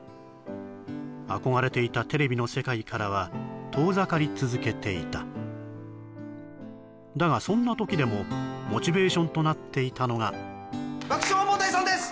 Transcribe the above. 憧れていたテレビの世界からは遠ざかり続けていただがそんな時でもモチベーションとなっていたのが爆笑問題さんです